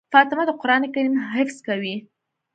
فاطمه د قرآن کريم حفظ کوي.